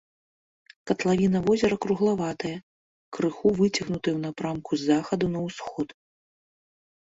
Катлавіна возера круглаватая, крыху выцягнутая ў напрамку з захаду на ўсход.